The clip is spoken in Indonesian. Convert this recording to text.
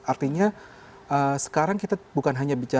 artinya sekarang kita bukan hanya bicara